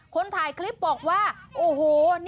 คนถ่ายคลิปบอกว่าโอ้โห